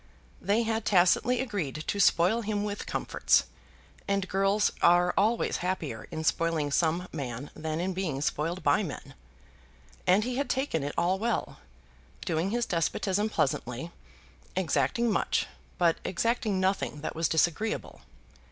They had tacitly agreed to spoil him with comforts; and girls are always happier in spoiling some man than in being spoiled by men. And he had taken it all well, doing his despotism pleasantly, exacting much, but exacting nothing that was disagreeable.